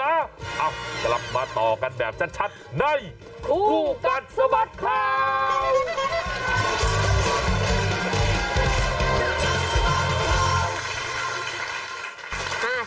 เอ้ากลับมาต่อกันแบบชัดในครู่กันสมัติข่าว